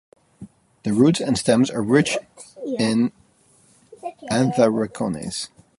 The roots and stems are rich in anthraquinones, such as emodin and rhein.